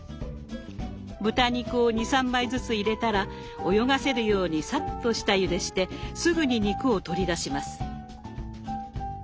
豚肉を２３枚ずつ入れたら泳がせるようにさっと下ゆでしてすぐに肉を取り出します。